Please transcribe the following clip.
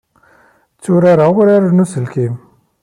Tturareɣ uraren n uselkim.